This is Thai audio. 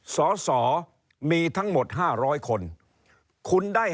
สอสอมีทั้งหมด๕๐๐คน